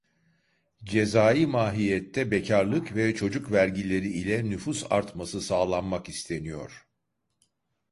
Cezai mahiyette bekârlık ve çocuk vergileri ile nüfus artması sağlanmak isteniyor.